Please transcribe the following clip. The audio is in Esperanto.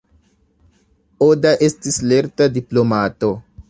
Oda estis lerta diplomato.